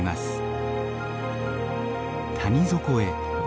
谷底へ。